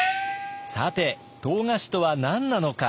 さて唐菓子とは何なのか？